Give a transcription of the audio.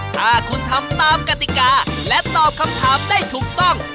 ถ้าคุณทำตามกติกาและตอบคำถามได้ถูกต้อง